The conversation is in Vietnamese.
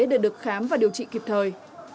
để được khám và điều trị kịp thời